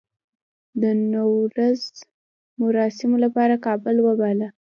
د نوروز مراسمو لپاره کابل ته وباله.